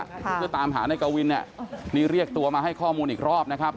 เพื่อตามหานายกวินเนี่ยนี่เรียกตัวมาให้ข้อมูลอีกรอบนะครับ